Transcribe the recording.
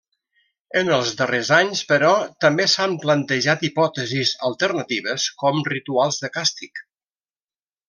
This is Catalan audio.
En els darrers anys, però, també s'han plantejat hipòtesis alternatives com rituals de càstig.